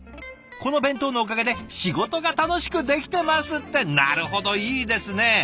この弁当のおかげで仕事が楽しくできてます」ってなるほどいいですね。